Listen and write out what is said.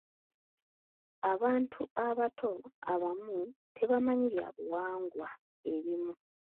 Abantu abato abamu tebamanyi byabuwangwa ebimu.